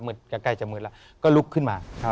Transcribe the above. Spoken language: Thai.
ใกล้จะมืดแล้วก็ลุกขึ้นมา